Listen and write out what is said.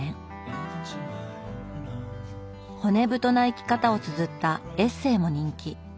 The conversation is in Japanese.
骨太な生き方をつづったエッセーも人気。